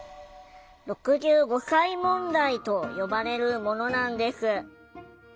「６５歳問題」と呼ばれるものなんです。